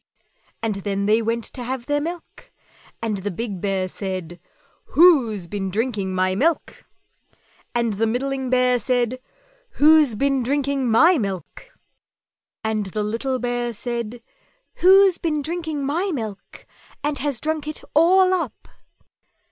_" And then they went to have their milk, and the big Bear said, "WHO'S BEEN DRINKING MY MILK?" and the middling Bear said, "WHO'S BEEN DRINKING MY MILK?" and the little Bear said, "_Who's been drinking my milk and has drunk it all up?